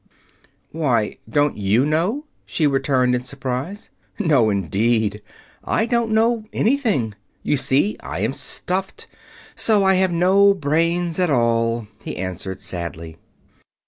"Why, don't you know?" she returned, in surprise. "No, indeed. I don't know anything. You see, I am stuffed, so I have no brains at all," he answered sadly.